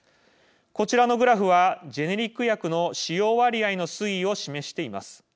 こちらのグラフはジェネリック薬の使用割合の推移を示しています。